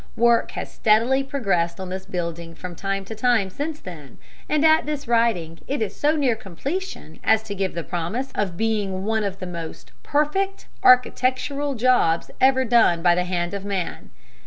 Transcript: Work has steadily progressed on this building from time to time since then, and at this writing it is so near completion as to give promise of being one of the most perfect architectural jobs ever done by the hand of man.